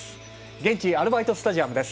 現地、アルバイトスタジアムです。